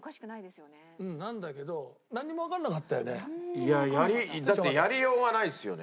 いややりだってやりようがないですよね。